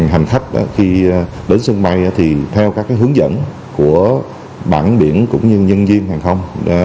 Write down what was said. hành khách khi đến sân bay thì theo các hướng dẫn của bản biển cũng như nhân viên hàng không